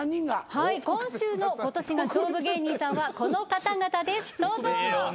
はい今週の今年が勝負芸人さんはこの方々ですどうぞ。